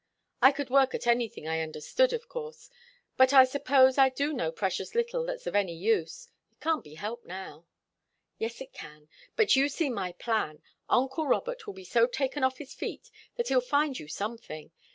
I could work at anything I understood, of course. But I suppose I do know precious little that's of any use. It can't be helped, now." "Yes, it can. But you see my plan. Uncle Robert will be so taken off his feet that he'll find you something.